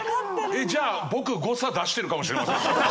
じゃあ僕誤差出してるかもしれません。